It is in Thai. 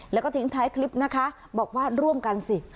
แล้วก็ทิ้งท้ายคลิปนะคะบอกว่าร่วมกันสิ